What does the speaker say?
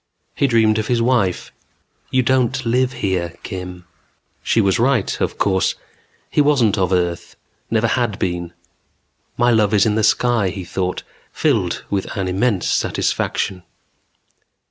He dreamed of his wife. "You don't live here, Kim." She was right, of course. He wasn't of earth. Never had been. My love is in the sky, he thought, filled with an immense satisfaction.